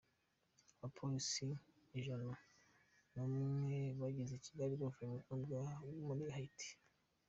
Abapolisi Ijan Numwe bageze i Kigali bavuye mu butumwa muri Haiti